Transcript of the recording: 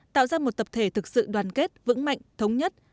tạo ra một tập thể thực sự đoàn kết vững mạnh thống nhất